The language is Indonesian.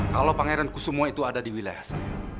kalau pangeran kusumo itu ada di wilayah saya